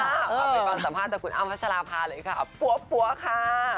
เอาเป็นความสภาพจากคุณอ้ำพัชราภาเลยครับปั๊วค่ะ